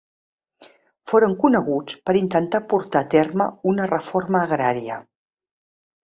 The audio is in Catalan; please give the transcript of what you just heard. Foren coneguts per intentar portar a terme una reforma agrària.